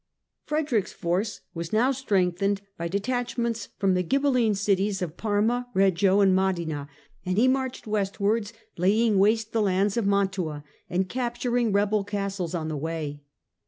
Frederick's force was now strengthened by detach ments from the Ghibelline cities of Parma, Reggio and Modena, and he marched westwards, laying waste the lands of Mantua and capturing rebel castles on the way.